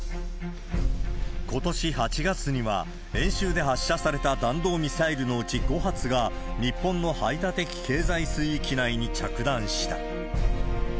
ことし８月には、演習で発射された弾道ミサイルのうち５発が、日本の排他的経済水域内に着弾した。